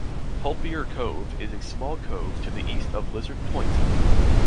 Polpeor Cove is a small cove to the east of Lizard Point.